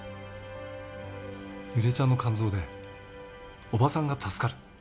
ゆりえちゃんの肝臓で叔母さんが助かる。